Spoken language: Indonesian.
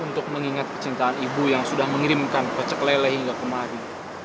untuk mengingat kecintaan ibu yang sudah mengirimkan kocek lele hingga kemari